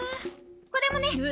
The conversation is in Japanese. これもね。